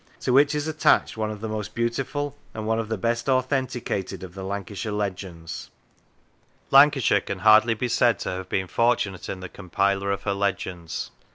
to which is attached one of the most beautiful and one of the best authenticated of the Lancashire legends. Lancashire can hardly be said to have been fortunate 104 The War of Religion in the compiler of her legends.